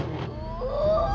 ini bolong kiri